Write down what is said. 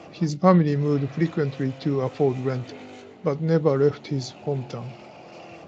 His family moved frequently to afford rent, but never left his hometown.